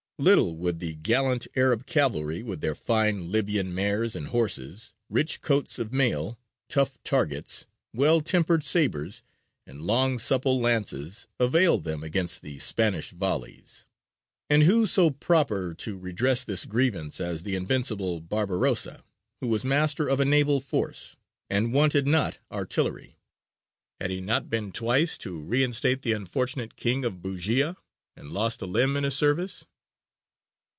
Little would the gallant Arab cavalry, with their fine Libyan mares and horses, rich coats of mail, tough targets, well tempered sabres, and long supple lances, avail them against the Spanish volleys. And who so proper to redress this grievance as the invincible Barbarossa, who was master of a naval force, and wanted not artillery? Had he not been twice to reinstate the unfortunate King of Bujēya, and lost a limb in his service?